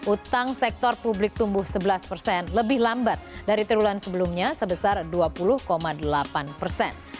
utang sektor publik tumbuh sebelas persen lebih lambat dari tribulan sebelumnya sebesar dua puluh delapan persen